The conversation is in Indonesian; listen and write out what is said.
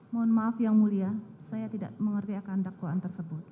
mohon maaf yang mulia saya tidak mengerti akan dakwaan tersebut